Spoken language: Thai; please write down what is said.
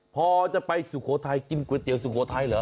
พอจะไปสุโขทัยกินก๋วยเตี๋ยสุโขทัยเหรอ